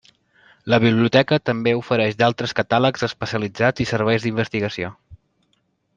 La biblioteca també ofereix d'altres catàlegs especialitzats i serveis d'investigació.